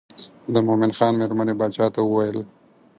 د مومن خان مېرمنې باچا ته وویل.